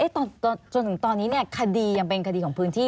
จนถึงตอนนี้คดียังเป็นคดีของพื้นที่